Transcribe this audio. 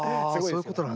そういうことだ。